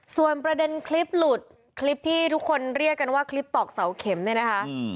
ส่วนประเด็นคลิปหลุดคลิปที่ทุกคนเรียกกันว่าคลิปตอกเสาเข็มเนี่ยนะคะ